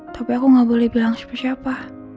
tapi aku gak boleh bilang sama siapa